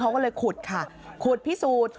เขาก็เลยขุดค่ะขุดพิสูจน์